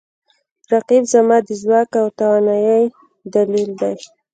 رقیب زما د ځواک او توانایي دلیل دی